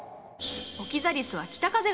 オキザリスは北風が苦手。